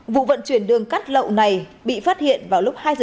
vụ vận chuyển đường cát lậu này bị phát hiện và bị phát hiện bởi bộ thái hậu